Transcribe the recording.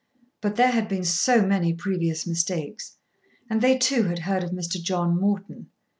But there had been so many previous mistakes! And they, too, had heard of Mr. John Morton.